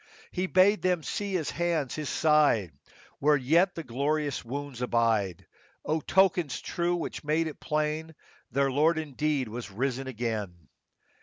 48 He bade them see His hands, His side, Where yet the glorious wounds abide, — O tokens true ! which made it plain Their Lord indeed was risen again.